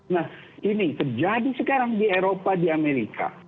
nah ini terjadi sekarang di eropa di amerika